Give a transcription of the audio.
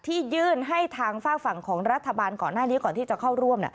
ยื่นให้ทางฝากฝั่งของรัฐบาลก่อนหน้านี้ก่อนที่จะเข้าร่วม